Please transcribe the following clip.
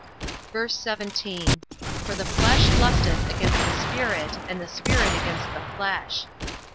VERSE 17. For the flesh lusteth against the Spirit and the Spirit against the flesh.